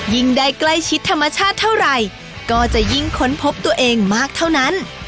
ยิ่งได้ใกล้ชิดธรรมชาติเท่าไหร่ก็จะยิ่งค้นพบตัวเองมากเท่านั้น